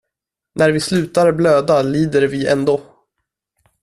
När vi slutar blöda lider vi ändå.